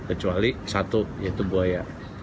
kecuali satu yaitu buaya